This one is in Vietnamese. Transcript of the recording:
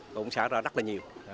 cũng xảy ra rất là nhiều